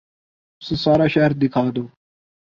اسے سارا شہر دکھا دو